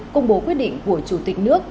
công bố quyết định của chủ tịch nước